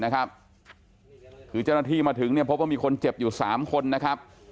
คือเจ้าหน้าที่มาถึงเนี่ยพบว่ามีคนเจ็บอยู่๓คนนะครับ